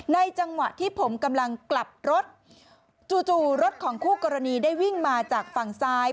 จังหวะที่ผมกำลังกลับรถจู่รถของคู่กรณีได้วิ่งมาจากฝั่งซ้าย